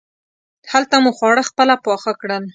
هلته مو خواړه خپله پاخه کړل.